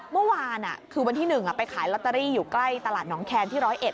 เมื่อวานคือวันที่๑ไปขายลอตเตอรี่อยู่ใกล้ตลาดน้องแคนที่๑๐๑